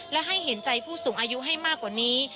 และให้เห็นใจผู้สูงอายุให้มากกว่านี้